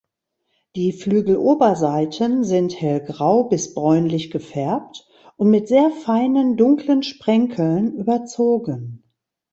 Die Flügeloberseiten sind hellgrau bis bräunlich gefärbt und mit sehr feinen dunklen Sprenkeln überzogen.